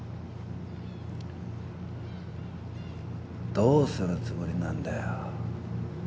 どうするつもりなんだよ？